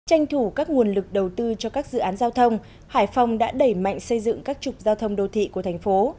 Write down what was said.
tranh thủ các nguồn lực đầu tư cho các dự án giao thông hải phòng đã đẩy mạnh xây dựng các trục giao thông đô thị của thành phố